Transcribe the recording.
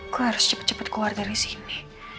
gue harus cepet cepet keluar dari sini